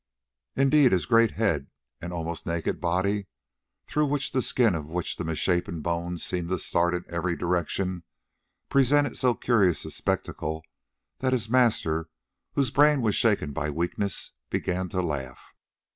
Indeed his great head and almost naked body, through the skin of which the misshapen bones seemed to start in every direction, presented so curious a spectacle that his master, whose brain was shaken by weakness, began to laugh.